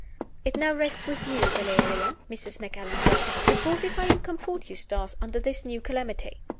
"It now rests with you, Valeria," Mrs. Macallan wrote, "to fortify and comfort Eustace under this new calamity.